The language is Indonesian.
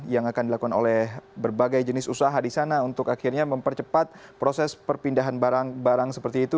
yang akan dilakukan oleh berbagai jenis usaha di sana untuk akhirnya mempercepat proses perpindahan barang barang seperti itu